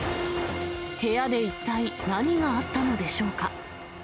部屋で一体何があったのでしょうか。